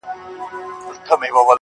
لنډۍ په غزل کي، اوومه برخه .!